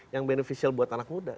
yang beneficial buat anak muda